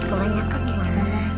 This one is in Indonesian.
emangnya kebanyakan mas